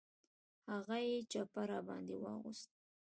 هغه یې چپه را باندې واغوست.